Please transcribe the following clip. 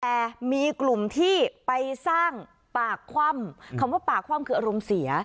แต่มีกลุ่มที่ไปสร้างปากคว่ำคำว่าปากคว่ำคืออารมณ์เสีย